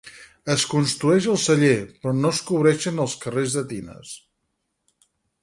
Es construeix el celler però no es cobreixen els carrers de tines.